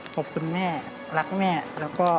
ขอบคุณแม่รักแม่แล้วก็